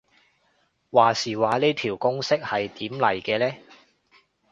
話時話呢條公式係點嚟嘅呢